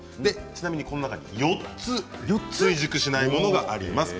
ちなみにこの中に４つ追熟しないものがあります。